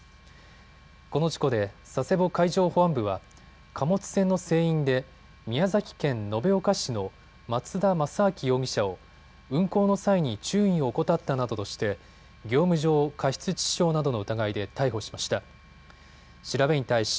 この事故で佐世保海上保安部は貨物船の船員で宮崎県延岡市の松田政明容疑者を運航の際に注意を怠ったなどとして業務上過失致死傷などの疑いで逮捕しました。